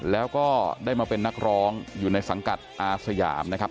แล้วก็ได้มาเป็นนักร้องอยู่ในสังกัดอาสยามนะครับ